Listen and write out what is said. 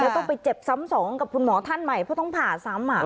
ต้องไปเจ็บซ้ำสองกับคุณหมอท่านใหม่เพราะต้องผ่าซ้ำ